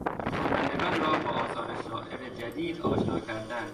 خوانندگان را با آثار شاعر جدید آشنا کردن